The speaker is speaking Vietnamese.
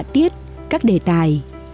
tiết các đề tài